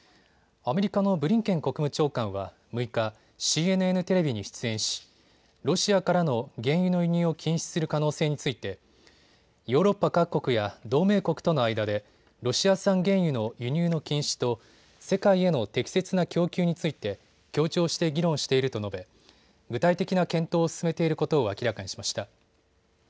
アメリカのブリンケン国務長官は６日、ＣＮＮテレビに出演しロシアからの原油の輸入を禁止する可能性についてヨーロッパ各国や同盟国との間でロシア産原油の輸入の禁止と世界への適切な供給について、協調して議論していると述べ具体的な検討を進めていることを明らかにしました。